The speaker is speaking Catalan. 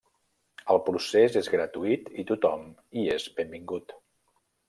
El procés és gratuït i tothom hi és benvingut.